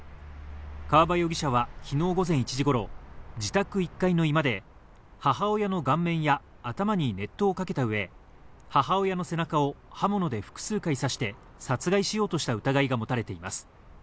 川場容疑者は昨日午前１時頃、自宅１階の居間で母親の顔面や頭に熱湯をかけた上、母親の背中を刃物で複数回刺して殺害しようとした疑いが持たれています。